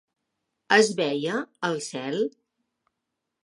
Es veia el cel?